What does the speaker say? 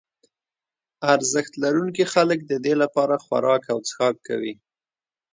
ارزښت لرونکي خلک ددې لپاره خوراک او څښاک کوي.